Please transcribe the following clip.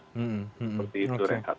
seperti itu rek kata